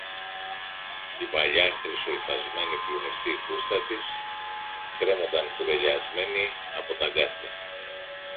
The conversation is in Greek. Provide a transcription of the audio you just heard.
Η παλιά χρυσοϋφασμένη πλουμιστή φούστα της κρέμονταν κουρελιασμένη από τ' αγκάθια